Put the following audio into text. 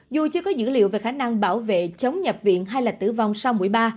dù chưa có dữ liệu về khả năng bảo vệ chống nhập viện hay là tử vong sau mũi ba